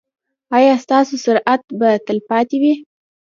ایا ستاسو استراحت به تلپاتې وي؟